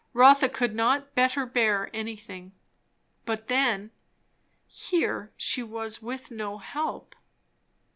Rotha could not Better bear anything. But then, here she was with no help!